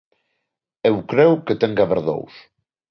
Eu creo que ten que haber dous.